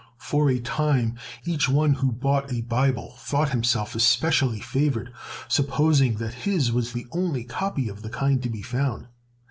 For a time each one who bought a Bible thought himself especially favored, supposing that his was the only copy of the kind to be found.